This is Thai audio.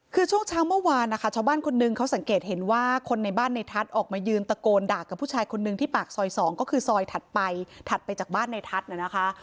คือช่วงเช้าเมื่อวานนะคะชาวบ้านคนนึงเขาสังเกตเห็นว่าคนในบ้านในทัศน์ออกมายืนตะโกนด่ากับผู้ชายคนนึงที่ปากซอย๒ก็คือซอยถัดไปถัดไปจากบ้านในทัศน์น่ะนะคะ